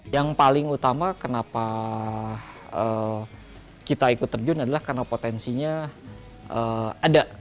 yang paling utama kenapa kita ikut terjun adalah karena potensinya ada